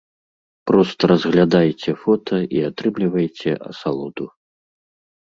Проста разглядайце фота і атрымлівайце асалоду.